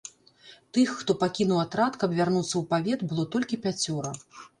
Тых, хто пакінуў атрад, каб вярнуцца ў павет, было толькі пяцёра.